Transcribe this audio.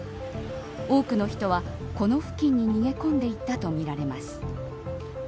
多くの人は、この付近に逃げ込んでいたとみられます。